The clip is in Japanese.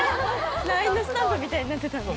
ＬＩＮＥのスタンプみたいになってたんだ。